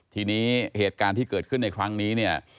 ทีนี้เหตุการณ์ที่เกิดขึ้นในครั้งนี้เนี่ย